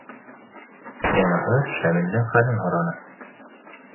Уныһы Шамилдың хәлен һораны.